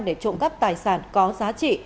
để trộm cắp tài sản có giá trị